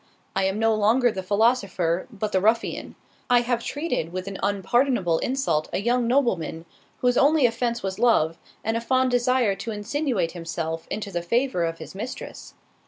I am no longer the philosopher, but the ruffian—I have treated with an unpardonable insult a young nobleman, whose only offence was love, and a fond desire to insinuate himself into the favour of his mistress.